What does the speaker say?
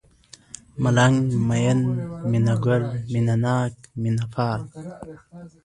ملنگ ، مين ، مينه گل ، مينه ناک ، مينه پال